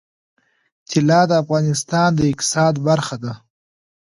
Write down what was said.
طلا د افغانستان د اقتصاد برخه ده.